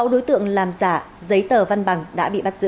sáu đối tượng làm giả giấy tờ văn bằng đã bị bắt giữ